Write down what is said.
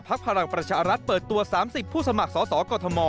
ภักษ์ภารักษ์ประชารัฐเปิดตัว๓๐ผู้สมัครสโกธม